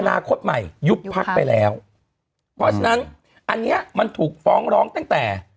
นาคตใหม่ยุบพักไปแล้วเพราะฉะนั้นอันเนี้ยมันถูกฟ้องร้องตั้งแต่